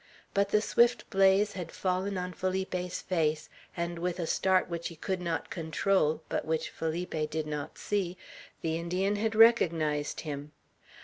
But the swift blaze had fallen on Felipe's face, and with a start which he could not control, but which Felipe did not see, the Indian had recognized him.